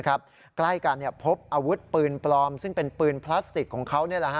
ใกล้กันพบอาวุธปืนปลอมซึ่งเป็นปืนพลาสติกของเขา